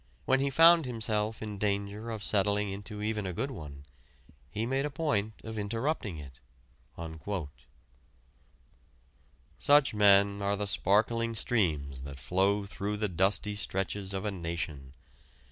When he found himself in danger of settling into even a good one, he made a point of interrupting it." Such men are the sparkling streams that flow through the dusty stretches of a nation.